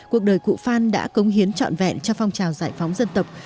cuộc đời cụ phan đã cống hiến trọn vẹn cho phong trào giải phóng dân tộc